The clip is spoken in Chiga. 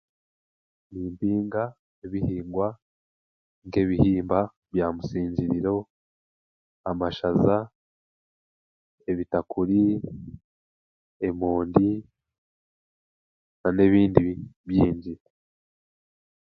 Ninpinga ebihingwa nk'ebihimba bya musingiriro, amashaaza, ebitakuuri, emoondi, nan'ebindi byingi.